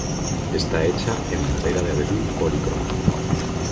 Está hecha en madera de abedul policromada.